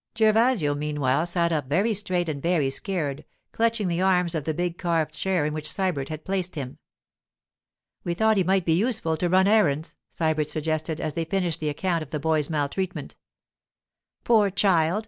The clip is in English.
Gervasio, meanwhile, sat up very straight and very scared, clutching the arms of the big carved chair in which Sybert had placed him. 'We thought he might be useful to run errands,' Sybert suggested as they finished the account of the boy's maltreatment. 'Poor child!